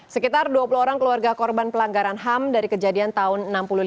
sekitar dua puluh orang keluarga korban pelanggaran ham dari kejadian tahun seribu sembilan ratus enam puluh lima